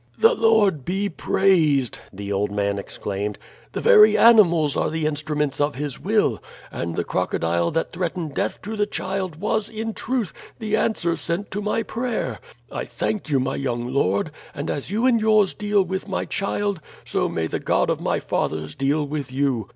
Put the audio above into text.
"The Lord be praised!" the old man exclaimed. "The very animals are the instruments of his will, and the crocodile that threatened death to the child was, in truth, the answer sent to my prayer. I thank you, my young lord; and as you and yours deal with my child, so may the God of my fathers deal with you.